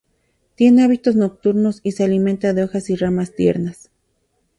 Tiene hábitos nocturnos y se alimenta de hojas y ramas tiernas.